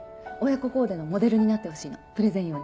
親子コーデのモデルになってほしいのプレゼン用に。